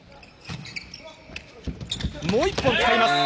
もう１本使います。